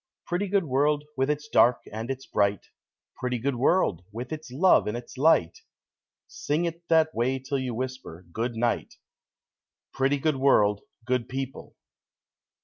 Pretty good world, with its dark and its bright Pretty good world, with its love and its light; Sing it that way till you whisper, "Good night!" Pretty good world, good people!